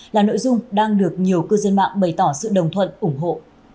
là nội dung đang được nhiều cư dân mạng bày tỏ sự đồng thuận ủng hộ